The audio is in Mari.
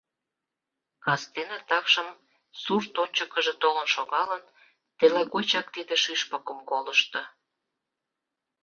Кастене такшым, сурт ончыкыжо толын шогалын, телыгочак тиде шӱшпыкым колышто.